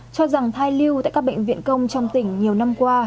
cho rằng thai lưu tại các bệnh viện công trong tỉnh nhiều năm qua